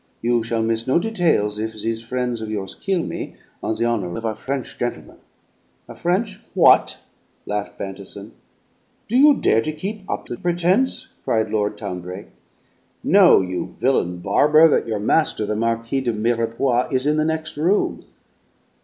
You shall miss no details if these frien's of yours kill me, on the honor of a French gentleman." "A French what?" laughed Bantison. "Do you dare keep up the pretense?" cried Lord Town brake. "Know, you villain barber, that your master, the Marquis de Mirepoix, is in the next room."